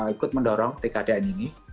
ikut mendorong tkdn ini